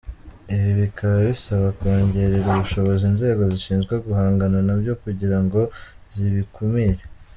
I bi bikaba bisaba kongerera ubushobozi inzego zishinzwe guhangana nabyo kugira ngo zibikumire.